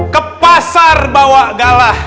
ke pasar bawa galah